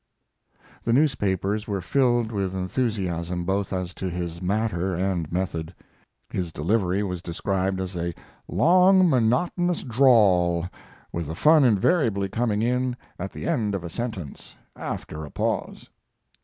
The newspapers were filled with enthusiasm both as to his matter and method. His delivery was described as a "long, monotonous drawl, with the fun invariably coming in at the end of a sentence after a pause."